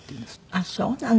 あっそうなの。